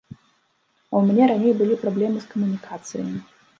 А ў мяне раней былі праблемы з камунікацыяй.